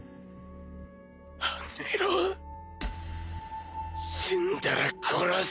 あんにゃろ死んだら殺す